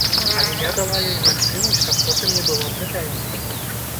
Але я дала ёй магчымасць, каб потым не было прэтэнзій.